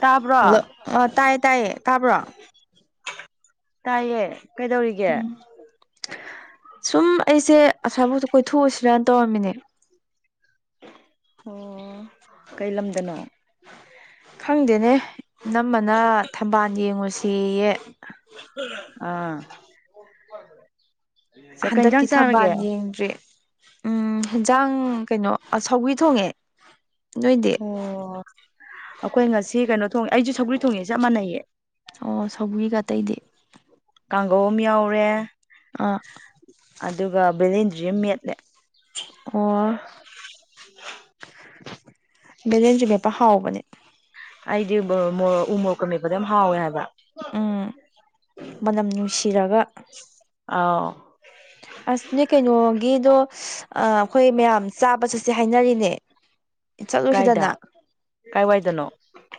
ꯇꯥꯕ꯭ꯔꯣ ꯍꯜꯂꯣ ꯑ ꯇꯥꯏꯌꯦ ꯇꯥꯏꯌꯦ ꯇꯥꯕ꯭ꯔꯣ ꯇꯥꯏꯌꯦ ꯀꯩꯗꯧꯔꯤꯒꯦ ꯎꯝ ꯁꯨꯝ ꯑꯩꯁꯦ ꯑꯁꯥꯐꯥꯎ ꯀꯣꯏꯊꯣꯛꯎꯁꯤꯔꯅ ꯇꯧꯔꯝꯃꯤꯅꯦ ꯑꯣ ꯀꯩ ꯂꯝꯗꯅꯣ ꯈꯪꯗꯦꯅꯦ ꯅꯝꯃꯅ ꯊꯝꯕꯥꯜ ꯌꯦꯡꯉꯨꯁꯤꯌꯦ ꯑꯥ ꯆꯀ ꯍꯟꯗꯛꯀꯤ ꯏꯟꯖꯥꯡ ꯊꯝꯕꯥꯜ ꯆꯥꯔꯒꯦ ꯌꯦꯡꯗ꯭ꯔꯤ ꯎꯝ ꯌꯦꯟꯖꯥꯡ ꯀꯩꯅꯣ ꯁꯥꯎꯤ ꯊꯣꯡꯉꯦ ꯅꯣꯏꯗꯤ ꯑꯣ ꯑꯩꯈꯣꯏ ꯉꯁꯤ ꯀꯩꯅꯣ ꯊꯣꯡꯉꯦ ꯑꯩꯁꯨ ꯁꯒ꯭ꯔꯤ ꯊꯣꯡꯉꯦ ꯆꯞ ꯃꯥꯟꯅꯩꯌꯦ ꯑꯣ ꯁꯏꯒꯇꯩꯗꯤ ꯀꯥꯡꯒꯧ ꯑꯃ ꯌꯥꯎꯔꯦ ꯑꯗꯨꯒ ꯕꯦꯂꯦꯟꯗ꯭ꯔꯤ ꯑꯃ ꯃꯦꯠꯂꯦ ꯑꯣ [inaudible] ꯕꯦꯂꯦꯟꯁꯨ ꯃꯦꯄ ꯍꯥꯎꯕꯅꯦ ꯑꯩꯗꯤꯔ ꯎꯃꯣꯔꯣꯛꯀ ꯃꯦꯛꯄꯗ ꯌꯥꯝ ꯍꯥꯎꯋꯦ ꯍꯥꯏꯕ ꯎꯝ ꯃꯅꯝ ꯅꯨꯡꯁꯤꯔꯒ ꯑꯥꯎ ꯑꯁꯅꯦ ꯀꯩꯅꯣꯒꯤꯗꯣ ꯑꯩꯈꯣꯏ ꯃꯌꯥꯝ ꯆꯥꯕ ꯆꯠꯁꯦ ꯍꯥꯏꯅꯔꯤꯅꯦ [inaudible] ꯀꯥꯏꯗ ꯆꯠꯂꯨꯁꯤꯗꯅ ꯀꯥꯏꯋꯥꯏꯗꯅꯣ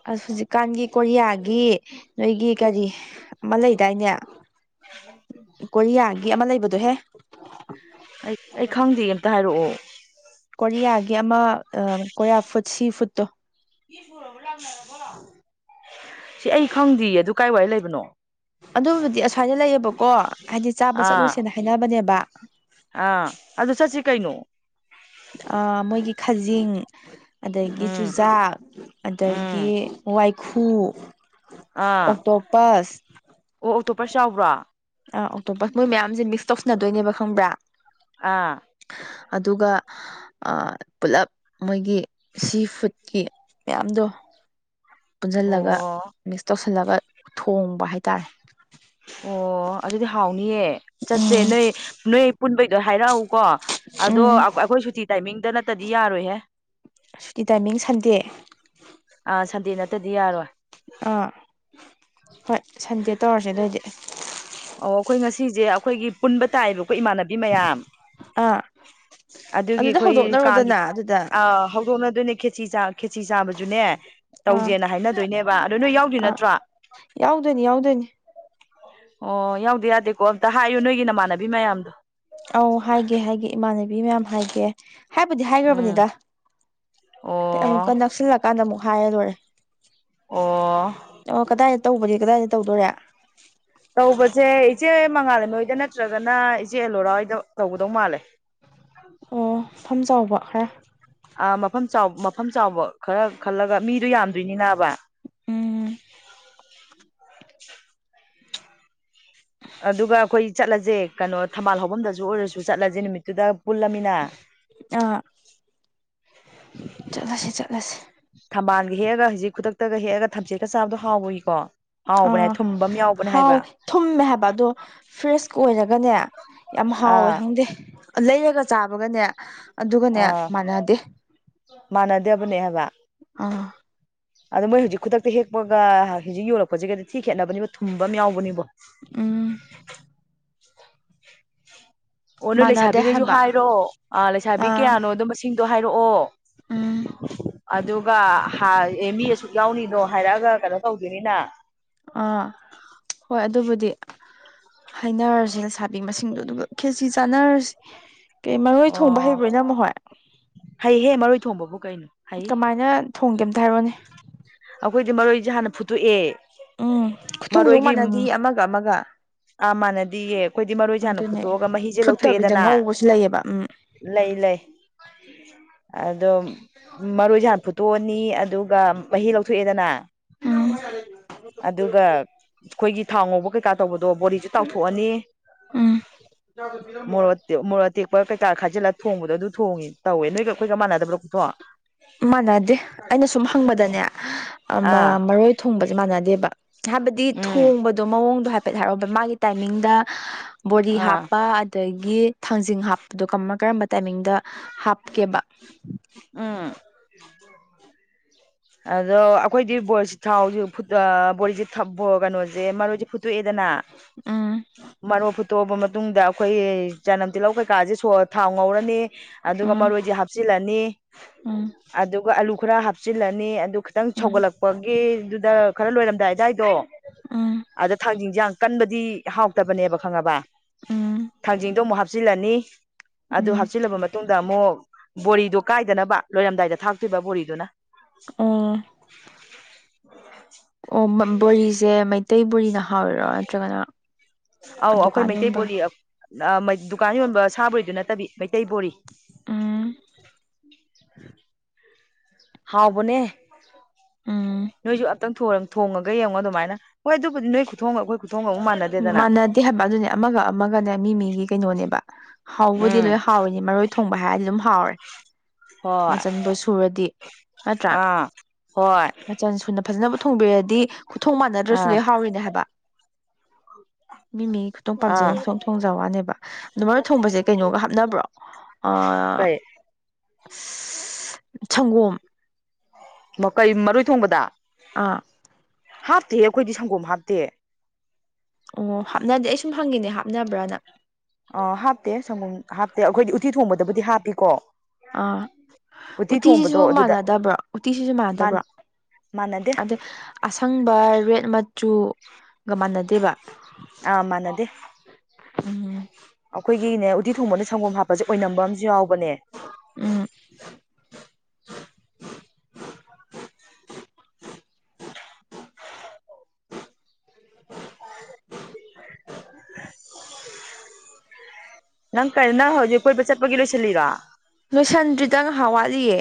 ꯑ ꯍꯧꯖꯤꯛ ꯀꯥꯟꯒꯤ ꯀꯣꯔꯤꯌꯥꯒꯤ ꯅꯣꯏꯒꯤ ꯀꯔꯤ ꯑꯃ ꯂꯩꯗꯥꯏꯅꯦ ꯀꯣꯔꯤꯌꯥꯒꯤ ꯑꯃ ꯂꯩꯕꯗꯣꯍꯦ ꯑꯩ ꯑꯩ ꯈꯪꯗꯦ ꯑꯝꯇ ꯍꯥꯏꯔꯛꯑꯣ ꯀꯣꯔꯤꯌꯥꯒꯤ ꯑꯃ ꯀꯣꯔꯤꯌꯥ ꯐꯨꯠ ꯁꯤ ꯐꯨꯠꯇꯣ ꯁꯤ ꯑꯩ ꯈꯪꯗꯦ ꯑꯗꯨ ꯀꯥꯏ ꯋꯥꯏ ꯂꯩꯕꯅꯣ ꯑꯗꯨꯕꯨꯗꯤ ꯑꯁꯃꯥꯏꯅ ꯂꯩꯌꯦꯕꯀꯣ ꯍꯥꯏꯗꯤ ꯆꯥꯕ ꯑꯥ ꯆꯠꯂꯨꯁꯦꯅ ꯍꯥꯏꯅꯕꯅꯦꯕ ꯑꯥ ꯑꯗꯨ ꯆꯠꯁꯤ ꯀꯩꯩꯅꯣ ꯃꯣꯏꯒꯤ ꯈꯖꯤꯡ ꯑꯗꯒꯤ ꯎꯝ ꯆꯨꯖꯥꯛ ꯎꯝ ꯑꯗꯒꯤ ꯋꯥꯏꯈꯨ ꯑꯥ ꯑꯣꯇꯣꯄꯥꯁ ꯑꯣ ꯑꯣꯇꯣꯞꯄ ꯆꯥꯎꯕ꯭ꯔꯥ ꯑꯥ ꯑꯣꯇꯣꯝꯄꯁ ꯃꯣꯏ ꯃꯌꯥꯝꯁꯦ ꯃꯤꯛꯁ ꯇꯧꯁꯟꯅꯗꯣꯏꯅꯦꯕ ꯈꯪꯕ꯭ꯔꯥ ꯑꯥ ꯑꯗꯨꯒ ꯄꯨꯂꯞ ꯃꯣꯏꯒꯤ ꯁꯤ ꯐꯨꯗꯀꯤ ꯃꯌꯥꯝꯗꯣ ꯄꯨꯟꯁꯤꯜꯂꯒ ꯑꯣ ꯃꯤꯛꯁ ꯇꯧꯁꯤꯜꯂꯒ ꯊꯣꯡꯕ ꯍꯥꯏꯇꯥꯔꯦ ꯑꯣ ꯑꯗꯨꯗꯤ ꯍꯥꯎꯅꯤꯌꯦ ꯆꯠꯁꯦ ꯎꯝ ꯅꯣꯏ ꯅꯣꯏ ꯄꯨꯟꯕꯩꯗꯣ ꯍꯥꯏꯔꯛꯎ ꯀꯣ ꯑꯗꯣ ꯎꯝ ꯑꯩꯈꯣꯏ ꯁꯨꯇꯤ ꯇꯥꯏꯃꯤꯡꯗ ꯅꯠꯇꯗꯤ ꯌꯥꯔꯣꯏꯍꯦ ꯁꯤ ꯇꯥꯏꯃꯤꯡ ꯁꯟꯗꯦ ꯗꯦ ꯅꯠꯇꯗꯤ ꯌꯥꯔꯣꯏ ꯑꯥ ꯍꯣꯏ ꯁꯟꯗꯦ ꯇꯧꯔꯁꯦ ꯑꯗꯨꯑꯣꯏꯗꯤ ꯑꯣ ꯑꯩꯈꯣꯏ ꯉꯁꯤꯁꯦ ꯑꯩꯈꯣꯏꯒꯤ ꯄꯨꯟꯕ ꯇꯥꯏꯌꯦꯕꯀꯣ ꯏꯃꯥꯟꯅꯕꯤ ꯃꯌꯥꯝ ꯑꯥ ꯑꯗꯨꯒꯤ ꯑꯗꯨꯗ ꯑꯩꯈꯣꯏꯒꯤ ꯀꯥꯡꯥꯒꯤ ꯍꯧꯗꯣꯛꯅꯔꯣꯗꯅ ꯑꯗꯨꯗ ꯍꯧꯗꯣꯡꯅ ꯑꯗꯨꯅꯦ ꯈꯦꯆ ꯆꯥꯈꯤ ꯈꯦꯆ ꯆꯥꯕꯁꯨꯅꯦ ꯑꯥ ꯇꯧꯁꯦꯅ ꯍꯥꯏꯅꯗꯣꯏꯅꯦꯕ ꯑꯗꯨ ꯅꯣꯏ ꯌꯥꯎꯗ꯭ꯣꯏ ꯅꯠꯇ꯭ꯔꯣ ꯌꯥꯑꯣꯗꯨꯅꯤ ꯌꯥꯑꯣꯗꯣꯏꯅꯤ ꯑꯣ ꯌꯥꯎꯗꯦ ꯌꯥꯗꯦꯀꯣ ꯑꯝꯇ ꯍꯥꯏꯌꯨ ꯅꯣꯏꯒꯤ ꯅꯃꯥꯟꯅꯕꯤ ꯃꯌꯥꯝꯗꯣ ꯕꯤ ꯃꯌꯥꯝ ꯍꯥꯏꯒꯦ ꯍꯥꯏꯕꯨꯗꯤ ꯎꯝ ꯍꯥꯏꯈ꯭ꯔꯕꯅꯤꯗ ꯑꯃꯨꯛꯀ ꯑꯣ ꯅꯛꯁꯤꯜꯂꯛꯀꯥꯟꯗ ꯑꯃꯨꯛ ꯍꯥꯏ ꯂꯣꯏꯔꯦ ꯑꯣ ꯑꯣ ꯀꯗꯥꯏꯗ ꯇꯧꯕꯗꯤ ꯀꯗꯥꯏꯗ ꯇꯧꯗꯣꯔꯦ ꯇꯧꯕꯁꯦ ꯏꯆꯦ ꯃꯉꯥ ꯂꯩꯃꯥ ꯍꯣꯏꯗ ꯅꯠꯇ꯭ꯔꯒꯅ ꯏꯆꯦ ꯑꯦꯂꯣꯔꯥ ꯍꯣꯏꯗ ꯇꯧꯒꯗꯧ ꯃꯥꯜꯂꯦ ꯑꯣ ꯃꯐꯝ ꯆꯥꯎꯕ ꯈꯔ ꯑ ꯃꯐꯝ ꯃꯐꯝ ꯆꯥꯎꯕ ꯈꯔ ꯈꯜꯂꯒ ꯃꯤꯗꯨꯣ ꯌꯥꯝꯗꯣꯏꯅꯤꯅꯕ [inaudible] ꯎꯝ ꯑꯗꯨꯒ ꯑꯩꯈꯣꯏ ꯆꯠꯂꯁꯦ ꯀꯩꯅꯣ ꯊꯝꯕꯥꯜ ꯍꯐꯝꯝꯗꯁꯨ ꯑꯣꯏꯔꯁꯨ ꯆꯠꯂꯁꯦ ꯅꯨꯃꯤꯠꯇꯨꯗ ꯄꯨꯜꯂꯃꯤꯅꯥ ꯑꯥ ꯆꯠꯂꯁꯤ ꯆꯠꯂꯁꯤ ꯊꯝꯕꯥꯜꯒ ꯍꯦꯛꯑꯒ ꯍꯧꯖꯤꯛ ꯈꯨꯗꯛꯇꯒ ꯍꯦꯛꯑꯒ ꯊꯝꯆꯦꯠꯀ ꯆꯥꯕꯗꯣ ꯍꯥꯎꯕꯒꯤꯀꯣ ꯍꯥꯎꯕꯅꯦ ꯑꯥ ꯊꯨꯝꯕ ꯑꯃ ꯌꯥꯎꯕꯅꯦ ꯍꯥꯏꯕ ꯍꯥꯎꯋꯦ ꯊꯨꯝꯃꯦ ꯍꯥꯏꯕ ꯑꯗꯣ ꯐ꯭ꯔꯦꯁꯀ ꯑꯣꯏꯔ ꯒꯅꯦ ꯌꯥꯝ ꯍꯥꯎꯋꯦ ꯑꯥ ꯈꯪꯗꯦ ꯂꯩꯔꯒ ꯆꯥꯕꯒꯅꯦ ꯑꯗꯨꯒꯅꯦ ꯑꯥ ꯃꯥꯟꯅꯗꯦ ꯃꯥꯟꯅꯗꯦꯕꯅꯦ ꯍꯥꯏꯕ ꯑꯥ ꯑꯗꯣ ꯃꯣꯏ ꯍꯧꯖꯤꯛ ꯈꯨꯗꯛꯇ ꯍꯦꯛꯄꯒ ꯍꯧꯖꯤꯛ ꯌꯣꯂꯛꯄꯁꯤꯒꯗꯤ ꯊꯤ ꯈꯦꯠꯅꯕꯅꯤꯕ ꯊꯨꯝꯕ ꯑꯃ ꯌꯥꯎꯕꯅꯤꯕꯣ ꯎꯝ ꯑꯣ ꯅꯣꯏ ꯃꯥꯟꯅꯗꯦ ꯂꯩꯁꯥꯕꯤꯈꯩꯁꯨ ꯍꯥꯏꯕ ꯍꯥꯏꯔꯣ ꯑꯥ ꯂꯩꯁꯥꯕꯤ ꯑꯥ ꯀꯌꯥꯅꯣ ꯑꯣ ꯃꯁꯤꯡꯗꯣ ꯍꯥꯏꯔꯛꯑꯣ ꯎꯝ [unintelligible] ꯑꯗꯨꯒ ꯑꯦ ꯃꯤ ꯑꯁꯨꯛ ꯌꯥꯎꯅꯤꯗꯣ ꯍꯥꯏꯔꯛꯑꯒ ꯀꯩꯅꯣ ꯇꯧꯗꯣꯏꯅꯤꯅ ꯑꯥ ꯍꯣꯏ ꯑꯗꯨꯕꯨꯗꯤ ꯍꯥꯏꯩꯅꯔꯁꯤꯅ ꯁꯥꯕꯤ ꯃꯁꯤꯡꯗꯣ ꯑꯗꯨꯒ ꯈꯦꯁꯤ ꯆꯥꯟꯅꯔꯁꯤ ꯀꯩ ꯃꯔꯣꯏ ꯊꯣꯡꯕ ꯑꯣ ꯍꯩꯕ ꯅꯝꯃꯨ ꯍꯣꯏ ꯊꯣꯕꯕꯨ ꯀꯩꯅꯣ ꯍꯥꯏ ꯊꯣꯡ ꯀꯦ ꯑꯝꯇ ꯍꯥꯏꯔꯛꯑꯣꯅꯦ ꯑꯩꯈꯣꯏꯗꯤ ꯃꯔꯣꯏꯁꯦ ꯍꯥꯟꯅ ꯐꯨꯠꯇꯣꯛꯑꯦ ꯈꯨꯇꯣꯡ ꯈꯨꯁꯨꯣꯡ ꯃꯔꯣꯏꯒꯤ ꯃꯥꯟꯅꯗ ꯑꯃꯒ ꯑꯃꯒ ꯑꯥ ꯃꯥꯟꯅꯗꯤꯌꯦ ꯑꯩꯈꯣꯏꯗꯤ ꯃꯔꯣꯏꯁꯅ ꯑꯗꯨꯅꯦ ꯐꯨꯊꯣꯛꯑꯒ ꯃꯍꯤꯁꯦ ꯐꯨꯠꯇꯕꯤꯗ ꯂꯧꯊꯣꯛꯑꯦꯗꯅ ꯉꯧꯕꯁꯨ ꯂꯩꯌꯦꯕ ꯎꯝ ꯂꯩ ꯂꯩ ꯑꯗꯣ ꯃꯔꯣꯏꯁꯦ ꯍꯥꯟꯅ ꯐꯨꯠꯇꯣꯛꯑꯅꯤ ꯑꯗꯨꯒ ꯃꯍꯤ ꯂꯧꯊꯣꯛꯑꯦꯗꯅ ꯎꯝ ꯑꯗꯨꯒ ꯑꯩꯈꯣꯏꯒꯤ ꯊꯥꯎ ꯉꯧꯕ ꯀꯩꯀꯥ ꯇꯧꯕꯗꯣ ꯕꯣꯔꯤꯁꯦ ꯇꯥꯎꯊꯣꯛꯑꯅꯤ ꯎꯝ ꯃꯣꯔ ꯃꯣꯔ ꯇꯦꯛꯄ ꯀꯩꯀꯥ ꯈꯥꯏꯖꯤꯜꯂ ꯊꯣꯡꯕꯗꯣ ꯑꯗꯨ ꯊꯣꯡꯉꯤ ꯇꯧꯋꯦ ꯅꯣꯏꯒ ꯑꯩꯈꯒ ꯃꯥꯟꯅꯗꯕꯔꯣꯄꯊꯣ ꯃꯥꯟꯅꯗꯦ ꯑꯩꯅ ꯁꯨꯝ ꯍꯪꯕꯗꯅꯦ ꯑꯥ ꯃꯔꯣꯏ ꯊꯣꯡꯕꯁꯦ ꯃꯥꯟꯅꯗꯦꯕ ꯍꯥꯏꯕꯗꯤ ꯎꯝ ꯊꯣꯡꯕꯗꯣ ꯃꯑꯣꯡꯗꯣ ꯍꯥꯏꯐꯦꯠ ꯍꯥꯏꯔꯕ ꯃꯥꯒꯤ ꯇꯥꯏꯃꯤꯡꯗ ꯕꯣꯗꯤ ꯑꯥ ꯍꯥꯞꯄ ꯑꯗꯒꯤ ꯒꯤ ꯊꯥꯡꯖꯤꯡ ꯍꯥꯞꯄꯗꯣ ꯀꯔꯝꯕ ꯀꯔꯝꯕ ꯇꯥꯏꯃꯤꯡꯗ ꯍꯥꯞꯀꯦꯕ ꯎꯝ ꯑꯗꯣ ꯑꯩꯈꯣꯏꯗꯤ ꯕꯣꯁꯤ ꯊꯥꯎꯁꯨ ꯕꯣꯔꯤꯁꯦ ꯊꯛ ꯀꯩꯅꯣꯁꯦ ꯃꯔꯣꯏꯁꯦ ꯐꯨꯠꯇꯣꯛꯑꯦꯗꯅ ꯎꯝ ꯃꯅ ꯑꯣꯕꯨꯠꯇꯕ ꯃ ꯃꯇꯨꯡꯗ ꯑꯩꯈꯣꯏꯒꯤ ꯆꯅꯝ ꯇꯤꯜꯍꯧ ꯀꯩꯀꯥꯁꯦ ꯁ ꯊꯥꯎ ꯉꯧꯔꯅꯤ ꯑꯗꯨꯒ ꯎꯝ ꯃꯔꯣꯏꯗꯤ ꯍꯥꯞꯆꯤꯜꯂꯅꯤ ꯎꯝ ꯑꯗꯨꯒ ꯑꯂꯨ ꯈꯔ ꯍꯥꯞꯆꯤꯜꯂꯅꯤ ꯈꯤꯇꯪ ꯎꯝ ꯁꯧꯒꯠꯂꯛꯄꯒꯤꯗꯨꯗ ꯈꯔ ꯂꯣꯏꯔꯝꯗꯥꯏ ꯑꯗꯨꯗꯥꯋꯥꯏꯗꯣ ꯎꯝ ꯑꯗ ꯊꯥꯡꯖꯤꯡꯁꯥꯡ ꯀꯟꯕꯗꯤ ꯍꯥꯎꯇꯕꯅꯦꯕ ꯈꯪꯉꯕ ꯎꯝ ꯊꯥꯡꯖꯤꯡꯗꯣ ꯑꯃꯨꯛ ꯍꯥꯞꯆꯤꯜꯂꯅꯤ ꯑꯗꯨ ꯎꯝ ꯍꯥꯞꯆꯤꯜꯂꯕ ꯃꯇꯨꯡꯗ ꯑꯃꯨꯛ ꯕꯣꯔꯤꯗꯣ ꯀꯥꯏꯗꯅꯕ ꯂꯣꯏꯔꯝꯗꯥꯏꯗ ꯊꯥꯛꯇ꯭ꯣꯏꯕ ꯕꯣꯔꯤꯗꯨꯅ ꯑꯣ ꯑꯣ ꯕꯣꯔꯤꯁꯦ ꯃꯩꯇꯩ ꯕꯣꯔꯤꯅ ꯍꯧꯔꯣ ꯅꯠꯇ꯭ꯔꯒꯅ ꯑꯧ ꯑꯩꯈꯣꯏ ꯗꯨꯀꯥꯟ ꯃꯩꯇꯩ ꯌꯣꯟꯕ ꯕꯣꯔꯤ ꯗꯨꯀꯥꯟ ꯌꯣꯟꯕ ꯁꯥꯕꯔꯤꯗꯨ ꯅꯠꯇꯕꯤ ꯃꯩꯇꯩ ꯕꯣꯔꯤ ꯎꯝ [unintelligible] ꯍꯥꯎꯕꯅꯦ ꯎꯝ ꯅꯣꯏꯁꯨ ꯈꯤꯇꯪ ꯊꯣꯡꯉꯒ ꯌꯦꯡꯉꯣ ꯑꯗꯨꯃꯥꯏ ꯍꯣꯏ ꯑꯗꯨꯕꯨꯗꯤ ꯅꯣꯏ ꯈꯨꯊꯣꯡꯉꯒ ꯑꯩꯈꯣꯏ ꯈꯨꯊꯣꯡꯒ ꯑꯃꯨꯛ ꯃꯥꯟꯅꯗꯦꯗꯅ ꯃꯥꯟꯅꯗꯦ ꯍꯥꯏꯕ ꯑꯗꯨꯅꯦ ꯑꯃꯒ ꯑꯃꯒꯅꯦ ꯃꯤ ꯃꯤꯒꯤ ꯀꯩꯅꯣꯅꯦꯕ ꯍꯥꯎꯕꯗꯤ ꯂꯣꯏ ꯎꯝ ꯍꯥꯎꯋꯅꯤ ꯃꯔꯣꯏ ꯊꯣꯡꯕ ꯍꯥꯏꯔꯗꯤ ꯑꯗꯨꯝ ꯍꯥꯎꯔꯦ ꯍꯣꯏ ꯃꯆꯟꯕꯨꯣ ꯁꯨꯔꯗꯤ ꯑꯥ ꯍꯣꯏ ꯅꯠꯇ꯭ꯔꯥꯆꯟ ꯁꯨꯅ ꯐꯖꯅ ꯈꯨ ꯊꯣꯡꯕꯤꯔꯗꯤ ꯈꯨꯊꯣꯡ ꯃꯥꯟꯅꯗ꯭ꯔꯁꯨ ꯑꯥ ꯂꯣꯏ ꯍꯥꯎꯔꯤꯅꯦ ꯍꯥꯏꯕ ꯃꯤ ꯃꯤ ꯈꯨꯇꯣꯡ ꯑꯥ ꯄꯥꯝꯖꯩꯕ ꯈꯨꯇꯣꯡ ꯊꯣꯡꯖ ꯋꯥꯅꯦꯕ ꯑꯗꯣ ꯃꯔꯨꯞ ꯊꯣꯡꯕꯁꯦ ꯀꯩꯅꯣꯒ ꯍꯥꯞꯅꯕ꯭ꯔꯣ [unintelligible] ꯁꯪꯒꯣꯝ ꯃꯀꯩ ꯃꯔꯣꯏ ꯊꯣꯡꯕꯗ ꯑꯥ ꯍꯥꯞꯇꯦ ꯑꯩꯈꯣꯏꯗꯤ ꯁꯪꯒꯣꯝ ꯍꯥꯞꯇꯦ ꯑꯣ ꯍꯥꯞꯅꯗꯦ ꯑꯩ ꯁꯨꯝ ꯍꯪꯉꯤꯅꯦ ꯍꯥꯞꯅꯕ꯭ꯔꯅ ꯑ ꯍꯥꯞꯇꯦ ꯁꯪꯒꯣꯝ ꯍꯥꯞꯇꯦ ꯑꯩꯈꯣꯏꯗꯤ ꯎꯇꯤ ꯊꯣꯡꯕꯗꯕꯨꯗꯤ ꯍꯥꯞꯄꯤꯀꯣ ꯑꯥ ꯎꯇꯤ ꯎꯇꯤꯁꯤꯁꯨ ꯊꯣꯡꯕꯗꯣ ꯑꯗꯨꯗ ꯃꯥꯟꯅꯗꯕ꯭ꯔꯥ ꯎꯇꯤꯁꯤꯁꯨ ꯃꯥꯟꯅꯗꯕ꯭ꯔꯥ ꯃꯥꯟꯅꯗꯦ ꯑꯗꯩ ꯑꯁꯪꯕ ꯔꯦꯠ ꯃꯆꯨ ꯑꯥ ꯃꯥꯟꯅꯗꯦ ꯎꯝ ꯑꯩꯈꯣꯏꯒꯤꯅꯦ ꯎꯗꯤ ꯊꯣꯡꯕꯅ ꯁꯪꯒꯣꯝ ꯍꯥꯞꯄꯁꯦ ꯑꯣꯏꯅꯝꯕ ꯑꯝꯨ ꯌꯥꯎꯕꯅꯦ ꯎꯝ [unintelligible] [unintelligible] ꯅꯪ ꯀꯔꯤ ꯅꯪ ꯍꯧꯖꯤꯛ ꯀꯣꯏꯕ ꯆꯠꯄꯒꯤ ꯂꯣꯏꯁꯤꯜꯂꯤꯔ ꯅꯣꯏꯁꯟꯗ꯭ꯔꯤꯗꯪ ꯉꯥꯏꯍꯥꯛ ꯋꯥꯠꯂꯤꯌꯦ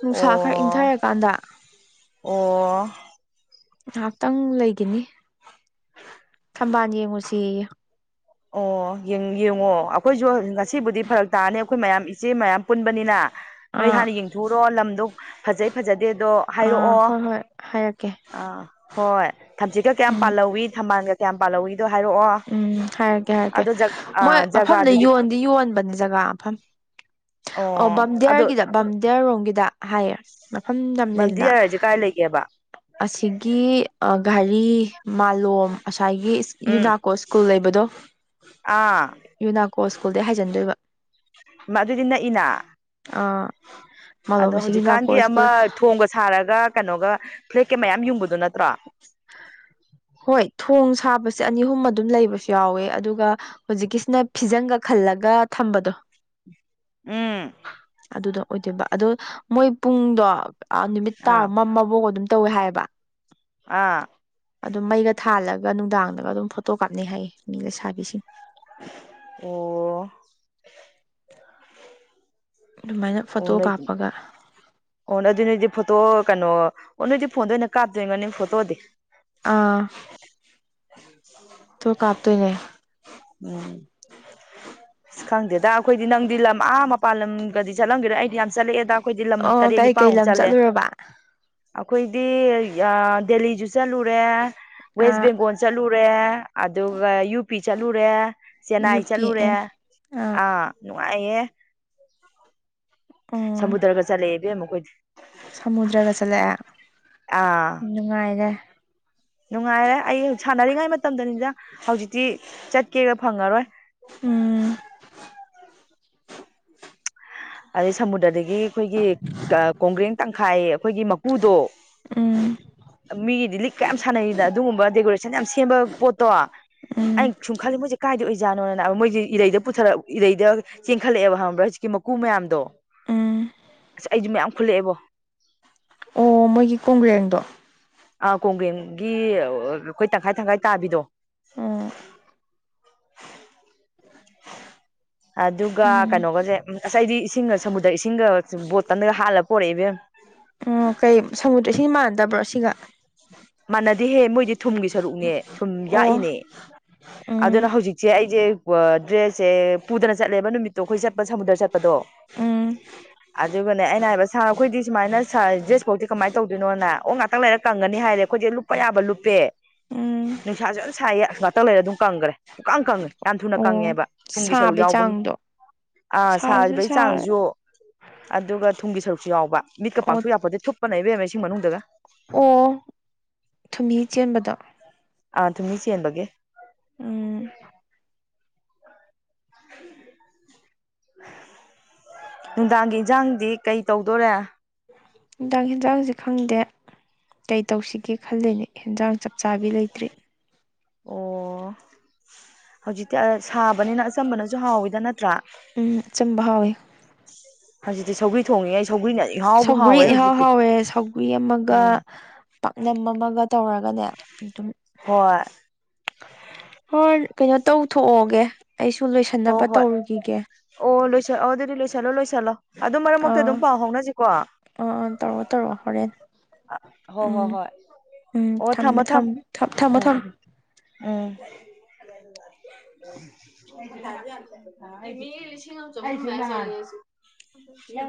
ꯅꯨꯡꯁꯥ ꯈꯔ ꯑꯣ ꯏꯪꯊꯔꯀꯥꯟꯗ ꯑꯣ ꯉꯥꯏꯍꯥꯛꯇꯪ ꯂꯩꯈꯤꯅꯤ ꯊꯝꯕꯥꯜ ꯌꯦꯡꯉꯨꯁꯤ ꯑꯣ ꯌꯦꯡꯉꯣ ꯑꯩꯈꯣꯏꯁꯨ ꯉꯁꯤꯕꯨꯗꯤ ꯐꯔꯛ ꯇꯥꯅꯤ ꯑꯩꯈꯣꯏ ꯃꯌꯥꯝ ꯏꯆꯦ ꯃꯌꯥꯝ ꯄꯨꯟꯕꯅꯤꯅ ꯅꯣꯏ ꯑꯥ ꯍꯥꯟꯅ ꯌꯦꯡꯊꯣꯛꯎꯨꯔꯣ ꯂꯝꯗꯣ ꯐꯖꯩ ꯐꯖꯗꯦ ꯑꯗꯣ ꯑꯥ ꯍꯥꯏꯔꯛꯑꯣ ꯍꯣꯏ ꯍꯣꯏ ꯍꯥꯏꯔꯛꯀꯦ ꯑꯥ ꯍꯣꯏ ꯊꯝꯆꯤꯠꯀ ꯀꯌꯥꯝ ꯎꯝ ꯄꯥꯜꯍꯧꯋꯤ ꯊꯝꯕꯥꯜꯒ ꯀꯌꯥꯝ ꯄꯥꯜꯍꯧꯏꯤ ꯎꯝ ꯍꯥꯏꯔꯛꯀꯦ ꯍꯥꯏꯔꯛꯀꯦ ꯖ ꯃꯣꯏ ꯑꯥ ꯃꯐꯝꯗ ꯖꯒꯥꯗꯨꯗꯤ ꯌꯣꯟꯗꯤ ꯌꯣꯟꯕꯅꯤ ꯖꯒꯥ ꯃꯐꯝ [unintelligible] ꯑꯣ ꯑꯗꯣ ꯕꯥꯝꯗꯤꯌꯥꯔꯒꯤꯗ ꯕꯥꯝꯗꯤꯌꯥꯔꯣꯝꯒꯤꯗ ꯍꯥꯏꯌꯦ ꯃꯐꯝ ꯂꯝ ꯂꯩꯗꯅ ꯕꯟꯗꯤꯌꯥꯔ ꯍꯥꯏꯁꯦ ꯀꯥꯏ ꯂꯩꯒꯦꯕ ꯑꯁꯤꯒꯤ ꯘꯔꯤ ꯃꯥꯂꯣꯝ ꯉꯁꯥꯏꯒꯤ ꯎꯝ ꯌꯨꯅꯥꯀꯣ ꯁ꯭ꯀꯨꯜ ꯂꯩꯕꯗꯣ ꯑꯥ ꯌꯨꯅꯥꯀ ꯑꯣ ꯁ꯭ꯀꯨꯜꯗꯩ ꯍꯥꯏꯖꯟꯗꯣꯏꯕ ꯑꯗꯨꯗꯤ ꯅꯛꯏꯅ ꯑꯥ ꯑꯗꯣ ꯃꯥꯂꯣꯝ ꯑꯁꯤꯒꯤ ꯍꯧꯖꯤꯛꯀꯥꯟꯒꯤ ꯌꯨꯅꯥꯀꯣ ꯑꯃ ꯁ꯭ꯀꯨꯜ ꯊꯣꯡꯒ ꯁꯥꯔꯒ ꯀꯩꯅꯣꯒ ꯐ꯭ꯂꯦꯛꯀ ꯃꯌꯥꯝ ꯌꯨꯡꯕꯗꯨꯣ ꯅꯠꯇ꯭ꯔꯣ [unintelligible] [unintelligible] ꯍꯣꯏ ꯊꯣꯡ ꯁꯥꯕꯁꯦ ꯑꯅꯤ ꯑꯍꯨꯝ ꯑꯗꯨꯝ ꯂꯩꯕꯁꯨ ꯌꯥꯎꯋꯦ ꯑꯗꯨꯒ ꯍꯧꯖꯤꯛꯀꯤꯁꯤꯅ ꯐꯤꯖꯪꯒ ꯈꯜꯂꯒ ꯊꯝꯕꯗꯣ ꯎꯝ ꯑꯗꯨꯗ ꯑꯣꯏꯗꯣꯏꯕ ꯑꯗꯣ ꯃꯣꯏ ꯄꯨꯡꯗꯣ ꯅꯨꯃꯤꯠ ꯇꯥ ꯑꯥ ꯑꯃꯃꯐꯥꯎ ꯑꯗꯨꯝ ꯇꯧꯋꯦ ꯍꯥꯏꯌꯦꯕ ꯑꯥ ꯑꯗꯨꯝ ꯃꯩꯒ ꯊꯥꯜꯂꯒ ꯅꯨꯡꯗꯥꯡꯗꯒ ꯑꯗꯨꯝ ꯐꯣꯇꯣ ꯀꯥꯞꯅꯩ ꯍꯥꯏꯌꯦ ꯃꯤ ꯂꯩꯁꯥꯕꯤꯁꯤꯡ ꯑꯣ [unintelligible] ꯑꯗꯨꯃꯥꯏꯅ ꯐꯣꯇꯣ ꯑꯣꯅ ꯀꯥꯞꯄꯒ ꯑꯣꯅ ꯑꯗꯨꯅꯗꯤ ꯐ ꯐꯣꯇꯣ ꯀꯩꯅꯣ ꯅꯣꯏꯗꯤ ꯐꯣꯟꯗ ꯑꯣꯏꯅ ꯀꯥꯞꯇꯣꯏꯉꯣ ꯅ ꯐꯣꯇꯣꯗꯤ ꯑꯥ ꯎ ꯊ ꯀꯥꯞꯇꯅꯦ ꯎꯝ ꯑꯁ ꯈꯪꯗꯦꯗ ꯑꯩꯈꯣꯏꯗꯤ ꯅꯪꯗꯤ ꯂꯝ ꯑꯥ ꯃꯄꯥꯟ ꯂꯝꯒꯗꯤ ꯆꯠꯂꯝꯒꯦꯔ ꯑꯩꯗꯤ ꯌꯥꯝ ꯆꯠꯂꯛꯑꯦꯗ ꯑꯩꯈꯣꯏꯗꯤ ꯂꯝ ꯑꯣ ꯇꯔꯦꯠ ꯀꯩ ꯀꯩ ꯅꯤꯄꯥꯟꯃꯨꯛ ꯂꯝ ꯆꯠꯂꯦ ꯆꯠꯂꯨꯔꯕ ꯑꯩꯈꯣꯏ ꯗꯦꯜꯂꯤꯁꯨ ꯆꯠꯂꯨꯔꯦ ꯋꯦꯁ ꯑꯥ ꯕꯦꯡꯒꯣꯜ ꯆꯠꯂꯨꯔꯦ ꯑꯗꯨꯒ ꯌꯨ ꯄꯤ ꯆꯠꯂꯨꯔꯦ ꯌꯨ ꯆꯦꯟꯅꯥꯏ ꯄꯤ ꯆꯠꯂꯨꯔꯦ ꯑꯦ ꯑꯥ ꯅꯨꯡꯉꯥꯏꯌꯦꯦ ꯑꯣ ꯁꯃꯨꯗ꯭ꯔꯒ ꯆꯠꯂꯛꯦ ꯏꯕꯦꯝꯃꯨꯛꯈꯣꯏꯗꯤ ꯁꯃꯨꯗ꯭ꯔꯒ ꯆꯠꯂꯛꯑꯦ ꯑꯥ ꯅꯨꯡꯉꯥꯏꯔꯦ ꯅꯨꯡꯉꯥꯏꯔꯦ ꯑꯩ ꯁꯥꯟꯅꯔꯤꯉꯩ ꯃꯇꯝꯗꯅꯤꯗ ꯍꯧꯖꯤꯛꯇꯤ ꯆꯠꯀꯦꯔ ꯐꯪꯉꯔꯣꯏ ꯎꯝ ꯑꯗꯩ ꯁꯃꯨꯗ꯭ꯔꯗꯒꯤ ꯑꯩꯈꯣꯏꯒꯤ ꯀꯣꯡꯒ꯭ꯔꯦꯡ ꯇꯪꯈꯥꯏ ꯑꯩꯈꯣꯏꯒꯤ ꯃꯀꯨꯗꯣ ꯎꯝ ꯃꯤꯒꯤꯗꯤ ꯂꯤꯛ ꯀ ꯌꯥꯝ ꯁꯥꯟꯅꯩꯅ ꯑꯗꯨꯒꯨꯝꯕ ꯗꯦꯀꯣꯔꯦꯁꯟ ꯌꯥꯝ ꯁꯦꯝꯕ ꯄꯣꯠ ꯇꯣ ꯑ ꯎꯝ ꯁꯨꯡꯈꯥꯏꯂ ꯃꯨ ꯆ ꯀꯥꯏꯗ ꯑꯣꯏꯖꯥꯅꯣꯅꯅꯥ ꯃꯣꯏꯁꯤꯦꯔꯩꯗ ꯄꯨꯊꯛ ꯏꯔꯩꯗ ꯆꯦꯟꯈꯠꯂꯛꯑꯦꯕ ꯍꯥꯏ꯭ꯔꯥ ꯍꯧꯖꯤꯛꯀꯤ ꯀꯀꯨ ꯃꯌꯥꯝꯗꯣ ꯎꯝ ꯑꯁ ꯑꯩꯁꯨ ꯃꯌꯥꯝ ꯈꯨꯜꯂꯛꯑꯦꯕꯣ ꯑꯣ ꯃꯣꯏꯒꯤ ꯀꯣꯡꯒ꯭ꯔꯦꯡꯗꯣ ꯑꯥ ꯀꯣꯡꯒ꯭ꯔꯦꯝꯒꯤ ꯑꯩꯈꯣꯏ ꯇꯪꯈꯥꯏ ꯇꯪꯈꯥꯏ ꯇꯥꯕꯤꯗꯣ ꯑꯣ [unintelligible] ꯑꯗꯨꯒ ꯎꯝ ꯀꯩꯅꯣꯒꯁꯦ ꯉꯁꯥꯏꯗꯤ ꯏꯁꯤꯡꯒ ꯁꯃꯨꯗ꯭ꯔ ꯏꯁꯤꯡꯒ ꯕꯣꯠꯀꯟꯗꯒ ꯍꯥꯜꯂꯒ ꯄꯣꯔꯛꯏ ꯏꯕꯦꯝ ꯎꯝ ꯇꯕ꯭ꯔꯣꯁꯤꯒ ꯃꯅꯗꯤ ꯍꯦ ꯃꯣꯏꯗꯤ ꯊꯨꯝꯒꯤ ꯁꯔꯨꯛꯅꯦ ꯊꯨꯝ ꯑꯣ ꯌꯥꯛꯏꯅꯦ ꯎꯝ ꯑꯗꯨꯅ ꯍꯧꯖꯤꯛꯁꯦ ꯑꯩ ꯑꯩꯁꯦ ꯗ꯭ꯔꯦꯁꯁꯦ ꯄꯨꯗꯅ ꯆꯠꯂꯦꯕ ꯅꯨꯃꯤꯠꯇꯣ ꯑꯩꯈꯣꯏ ꯆꯠꯄ ꯁꯃꯨꯗ꯭ꯔ ꯆꯠꯄꯗꯣ ꯎꯝ ꯑꯗꯨꯒꯅꯦ ꯑꯩꯅ ꯍꯥꯏꯕ ꯁꯥꯔ ꯑꯩꯈꯣꯏꯗꯤ ꯁꯨꯃꯥꯏꯅ ꯁꯥ ꯗ꯭ꯔꯦꯁꯐꯧꯗꯤꯤ ꯀꯃꯥꯏꯅ ꯇꯧꯗꯣꯏꯅꯣꯅ ꯑꯣ ꯉꯥꯛꯇꯪ ꯂꯩꯔꯛ ꯀꯪꯒꯅꯤ ꯍꯥꯏꯔꯦ ꯑꯩꯈꯣꯏꯁꯦ ꯂꯨꯞꯄ ꯌꯥꯕ ꯂꯨꯞꯄꯦ ꯎꯝ ꯅꯨꯡꯁꯥꯁꯨ ꯑꯗꯨꯝ ꯁꯥꯏꯌꯦ ꯉꯥꯛꯇ ꯂꯩꯔ ꯑꯗꯨꯝ ꯀꯪꯈ꯭ꯔꯦ ꯄꯨꯛꯀꯥꯟ ꯀꯪꯉꯦ ꯌꯥꯝ ꯊꯨꯅ ꯑꯣ ꯀꯪꯉꯦꯕ ꯊꯨꯝꯒꯤ ꯁꯔꯨꯛ ꯁꯥꯕꯩ ꯌꯥꯎꯕꯒꯤ ꯆꯥꯡꯗꯣ ꯑꯥ ꯁꯥꯔꯁꯨ ꯁꯥꯔꯤꯕꯒꯤ ꯁꯥꯔꯦ ꯆꯥꯡꯁꯨ ꯑꯗꯨꯒ ꯊꯨꯝꯒꯤ ꯁꯔꯨꯛꯁꯨ ꯌꯥꯎꯕ ꯃꯤꯠꯀ ꯑꯣ ꯄꯥꯡꯊꯣꯛ ꯌꯥꯄꯗꯤ ꯊꯨꯞꯄꯅꯩꯕꯦꯝꯕ ꯏꯁꯤꯡ ꯃꯅꯨꯡꯗꯒ ꯑꯣ ꯊꯨꯝꯍꯤ ꯆꯦꯟꯕꯗ ꯑꯥ ꯊꯨꯝꯍꯤ ꯆꯦꯟꯕꯒꯦ ꯎꯝ [unintelligible] ꯅꯨꯡꯗꯥꯡꯒꯤ ꯏꯟꯁꯥꯡꯗꯤ ꯀꯩ ꯇꯧꯗꯣꯔꯦ ꯍꯟꯗꯥꯛ ꯌꯦꯦꯟꯁꯥꯡꯁ ꯈꯪꯗꯦ ꯀꯩ ꯇꯧꯁꯤꯒꯦ ꯈꯜꯂꯤꯅꯦ ꯍꯟꯖꯥꯡ ꯆꯞ ꯆꯥꯕꯤ ꯂꯩꯇ꯭ꯔꯤ ꯑꯣ ꯍꯧꯖꯤꯛꯇꯤ ꯁꯥꯕꯅꯤꯅ ꯑꯆꯝꯕꯅꯁꯨ ꯍꯥꯎꯋꯤꯗ ꯅꯠꯇ꯭ꯔꯥ ꯎꯝꯆꯨꯝꯕ ꯍꯥꯎꯋꯦ ꯍꯧꯖꯤꯛꯇꯤ ꯁꯧꯒ꯭ꯔꯤ ꯊꯣꯡꯉꯤꯉꯩ ꯁꯧꯒ꯭ꯔꯤꯅ ꯏꯍꯥꯎꯕꯨ ꯁꯧꯒ꯭ꯔꯤ ꯍꯥꯎꯔꯦ ꯏꯍꯥꯎ ꯍꯧꯖꯤꯛꯇꯤ ꯍꯥꯎꯋꯦ ꯁꯧꯒ꯭ꯔꯤ ꯑꯃꯒ ꯎꯝ ꯄꯥꯛꯅꯝ ꯑꯃꯒ ꯇꯧꯔꯒꯅꯦ ꯑꯗꯨꯝ ꯍ ꯍꯣꯏ ꯀꯩꯅꯣ ꯇꯧꯊꯣꯛꯑꯣꯒꯦ ꯑꯩꯁꯨ ꯍꯣꯏ ꯂꯣꯏꯁꯟꯅꯕ ꯍꯣꯏ ꯇꯧꯔꯨꯈꯤꯒꯦ ꯑꯣ ꯂꯣꯏꯁꯜ ꯑꯗꯨꯗꯤ ꯂꯣꯏꯁꯤꯜꯂꯣ ꯂꯣꯏꯁꯤꯜꯂꯣ ꯑꯗꯨ ꯃꯔꯛ ꯃꯔꯛꯇ ꯑꯥ ꯑꯗꯨꯝ ꯄꯥꯎ ꯍꯧꯥꯎꯅꯁꯤꯀꯣ ꯑꯥ ꯑꯥ ꯇꯧꯔꯣ ꯇꯧꯔꯣ ꯍꯣꯔꯦꯟ ꯍꯣ ꯍꯣ ꯎꯝ ꯍꯣꯏ ꯎꯝ ꯑꯣ ꯊꯝꯃꯦ ꯊꯝꯃꯣ ꯊꯝꯃ ꯊꯝꯃꯦ ꯊꯝꯃꯣ ꯊꯝꯃꯣ ꯎꯝꯝ ꯎꯝ ꯆ ꯈ